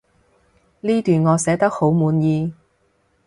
呢段我寫得好滿意